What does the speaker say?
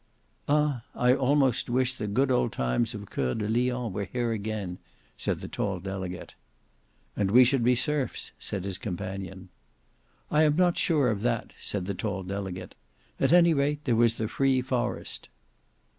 "Ah! I almost wish the good old times of Coeur de Lion were here again," said the tall delegate. "And we should be serfs," said his companion. "I am not sure of that," said the tall delegate. "At any rate there was the free forest."